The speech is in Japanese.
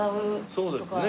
そうですね。